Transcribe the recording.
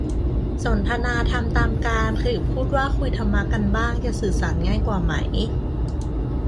สนทนาธรรมตามกาล หรือพูดว่าคุยธรรมะกันบ้าง จะสื่อสารง่ายกว่าไหม